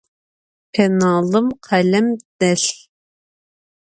Pênalım khelem delh.